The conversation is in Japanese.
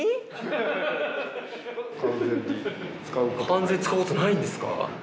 完全に使うことないんですか。